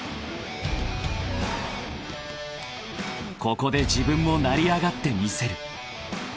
［ここで自分も成り上がってみせる］